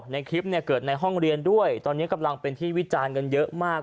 ในคลิปเนี่ยเกิดในห้องเรียนด้วยตอนนี้กำลังเป็นที่วิจารณ์กันเยอะมาก